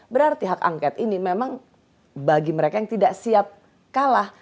berarti hak angket ini memang bagi mereka yang tidak siap kalah